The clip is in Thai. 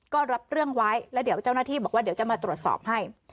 ก็รับเรื่องไว้แล้วเดี๋ยวเจ้าหน้าที่บอกว่าเดี๋ยวจะมาตรวจสอบให้